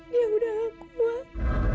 dia yang sudah tak kuat